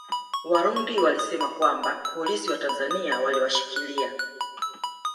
Warundi walisema kwamba polisi wa Tanzania waliwashikiria